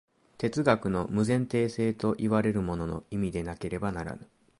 哲学の無前提性といわれるものの意味でなければならぬ。